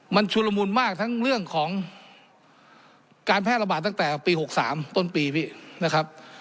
มันชุลมุนมากทั้งเรื่องของการแพร่ระบาดตั้งแต่ปี๖๓ต้นปีพี่นะครับ